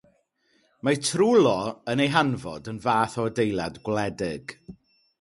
Mae'r trwlo yn ei hanfod yn fath o adeilad gwledig.